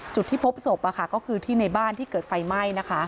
จุดที่พบศพก็คือที่ในบ้านที่เกิดไฟไหม้